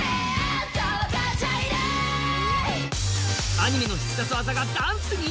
アニメの必殺技が、ダンスに！